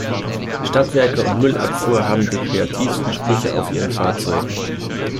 Stadtwerke und Müllabfuhr haben die kreativsten Sprüche auf ihren Fahrzeugen.